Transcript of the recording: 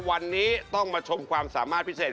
วันนี้ต้องมาชมความสามารถพิเศษ